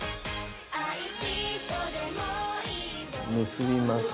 結びます。